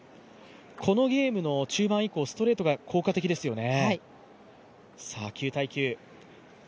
このゲームの中盤以降、ストレートが効果的ですよね。